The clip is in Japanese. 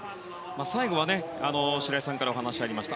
最後は白井さんからお話がありました